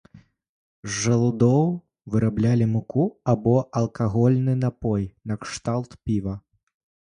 З жалудоў выраблялі муку або алкагольны напой накшталт піва.